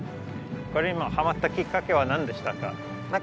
これにハマったきっかけは何でしたか？